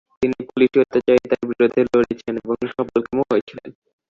তিনি পুলিশি অত্যাচারিতার বিরুদ্ধে লড়েছিলেন এবং সফলকামও হয়েছিলেন।